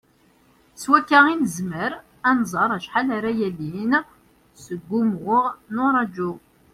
S wakka i nezmer ad nẓer acḥal ara d-yalin seg wumuɣ n uraju.